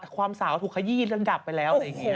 ความสาวถูกขยี้เรื่องดับไปแล้ว